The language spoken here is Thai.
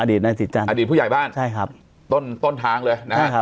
อดีตนายสิจันอดีตผู้ใหญ่บ้านใช่ครับต้นต้นทางเลยใช่ครับ